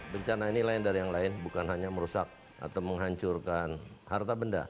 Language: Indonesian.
bencana ini lain dari yang lain bukan hanya merusak atau menghancurkan harta benda